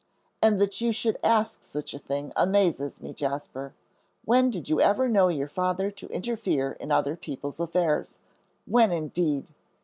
"And that you should ask such a thing amazes me, Jasper. When did you ever know your father to interfere in other people's affairs? When, indeed!"